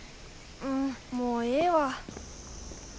うんもうええわ。